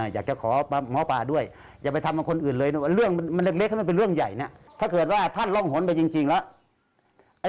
อยากจะขอหมอปลาด้วยอย่าไปทำกับคนอื่นเลยเรื่องมันเล็กให้มันเป็นเรื่องใหญ่นะถ้าเกิดว่าท่านร่องหนไปจริงแล้ว